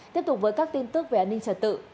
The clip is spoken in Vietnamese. tiếp tục với các tin tức về an ninh trật tự